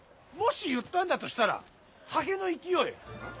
もし言ったんだとしたら酒の勢い。